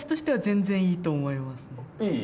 いい？